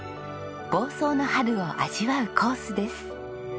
房総の春を味わうコースです。